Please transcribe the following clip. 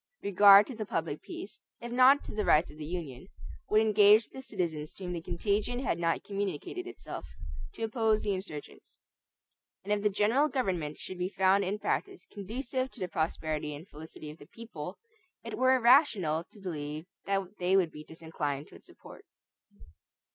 Regard to the public peace, if not to the rights of the Union, would engage the citizens to whom the contagion had not communicated itself to oppose the insurgents; and if the general government should be found in practice conducive to the prosperity and felicity of the people, it were irrational to believe that they would be disinclined to its support.